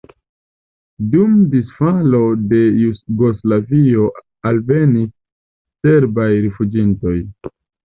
Dum disfalo de Jugoslavio alvenis serbaj rifuĝintoj.